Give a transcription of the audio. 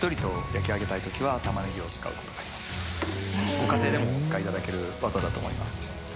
ご家庭でもお使いいただける技だと思います。